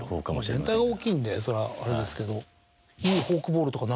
全体大きいんでそれはあれですけど。